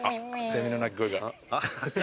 セミの鳴き声が。